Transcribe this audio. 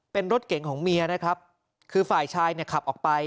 เป็นรถเก่งของเมียนะครับคือฝ่ายชายเนี่ยขับออกไป